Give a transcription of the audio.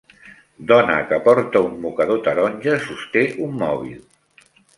Dona que porta un mocador taronja sosté un mòbil.